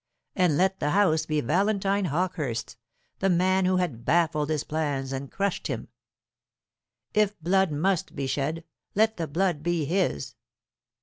And let the house be Valentine Hawkehurst's, the man who had baffled his plans and crushed him! If blood must be shed, let the blood be his!